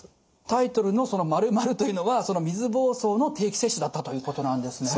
タイトルの○○というのは水ぼうそうの定期接種だったということなんですね。